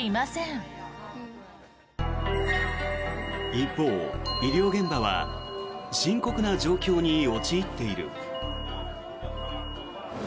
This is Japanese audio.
一方、医療現場は深刻な状況に陥っている。